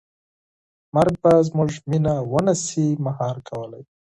مرګ به زموږ مینه ونه شي مهار کولی.